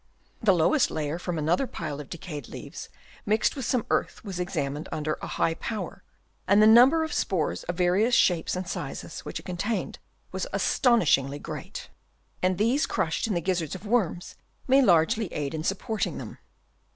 The lowest layer from another pile of de cayed leaves mixed with some earth was ex amined under a high power, and the number of spores of various shapes and sizes which it contained was astonishingly great ; and these crushed in the gizzards of worms may largely aid in supporting them.